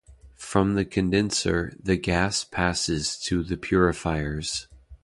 From the condenser the gas passes to the purifiers.